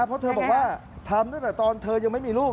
เพราะเธอบอกว่าทำตั้งแต่ตอนเธอยังไม่มีลูก